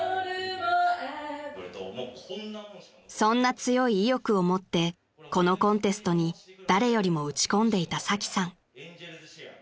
［そんな強い意欲を持ってこのコンテストに誰よりも打ち込んでいたサキさん］